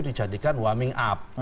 dijadikan warming up